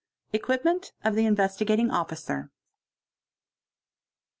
EQUIPMENT OF THE INVESTIGATING OFFICER.